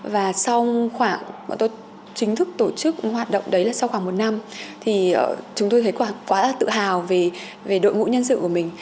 và sau khoảng bọn tôi chính thức tổ chức hoạt động đấy là sau khoảng một năm thì chúng tôi thấy quá là tự hào về đội ngũ nhân sự của mình